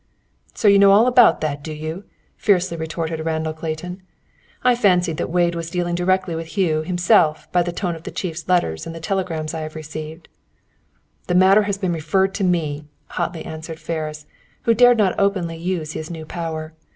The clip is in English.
"So you know all about it, do you?" fiercely retorted Randall Clayton. "I fancied that Wade was dealing directly with Hugh, himself, by the tone of the Chief's letters and the telegrams which I have received." "The matter has been referred to me," hotly answered Ferris, who dared not openly use his new power.